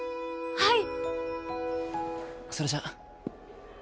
はい！